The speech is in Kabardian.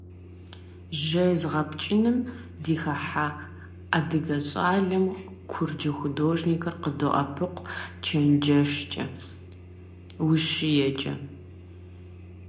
Жэз гъэпкӀыным дихьэха адыгэ щӀалэм куржы художникхэр къыдоӀэпыкъу чэнджэщкӀэ, ущиекӀэ.